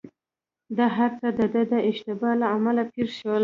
دا هرڅه دده د اشتباه له امله پېښ شول.